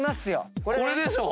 これでしょ。